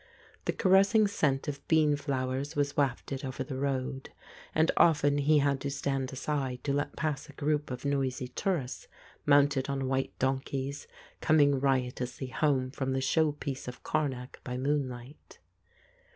The caressing scent of bean flowers was wafted over the road, and often he had to stand aside to let pass a group of noisy tourists mounted on white donkeys, coming riotously home from the show piece of Karnak by moonlight.